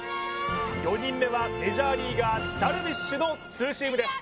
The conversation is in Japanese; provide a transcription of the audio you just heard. ４人目はメジャーリーガーダルビッシュのツーシームです